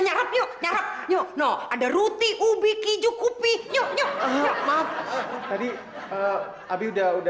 nyarep yuk yuk nyarep yuk no ada ruti ubi kijuk upi nyok nyok maaf tadi abie udah udah